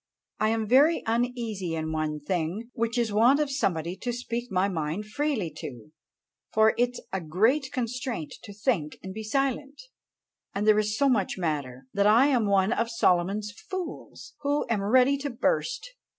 I am very uneasy in one thing, which is want of somebody to speak my mind freely to, for it's a great constraint to think and be silent; and there is so much matter, that I am one of Solomon's fools, who am ready to burst.